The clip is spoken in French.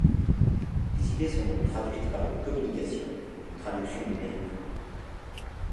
Les idées sont donc traduites par une communication, une traduction numérique.